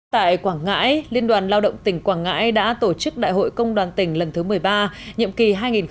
tại quảng ngãi liên đoàn lao động tỉnh quảng ngãi đã tổ chức đại hội công đoàn tỉnh lần thứ một mươi ba nhiệm kỳ hai nghìn một mươi chín hai nghìn hai mươi bốn